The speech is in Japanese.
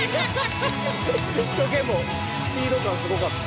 ちょけもスピード感すごかった。